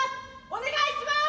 お願いします！